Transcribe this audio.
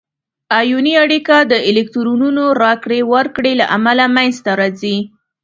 آیوني اړیکه د الکترونونو راکړې ورکړې له امله منځ ته راځي.